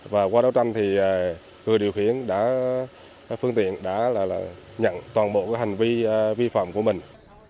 và qua đấu tranh thì người điều khiển đã phương tiện đã nhận toàn bộ hành vi vi phạm của mình